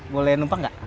boleh numpang gak